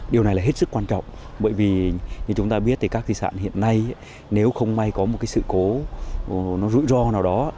điều này là hết sức quan trọng bởi vì như chúng ta biết thì các di sản hiện nay nếu không may có một sự cố rủi ro nào đó